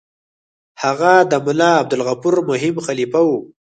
هغه د ملا عبدالغفور مهم خلیفه وو.